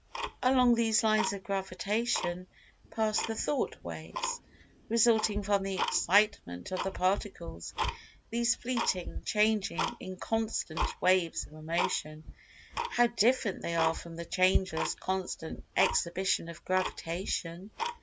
Along these lines of Gravitation pass the "Thought waves," resulting from the Excitement of the Particles—these fleeting, changing, inconstant waves of Emotion—how different they are from the changeless, constant exhibition of Gravitation.